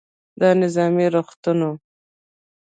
دا نظامي روغتون و.